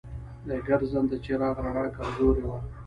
د ګرځنده چراغ رڼا کمزورې وه.